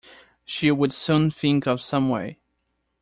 She would soon think of some way.